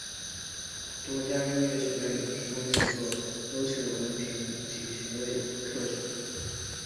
多家音乐学院有提供写作歌曲的文凭及学位课程。